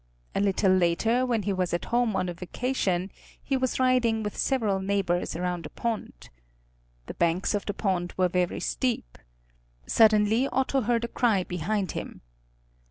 A little later, when he was at home on a vacation, he was riding with several neighbors around a pond. The banks of the pond were very steep. Suddenly Otto heard a cry behind him.